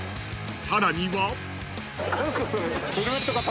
［さらには］